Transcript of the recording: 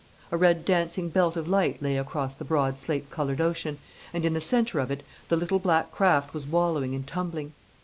A red dancing belt of light lay across the broad slate coloured ocean, and in the centre of it the little black craft was wallowing and tumbling.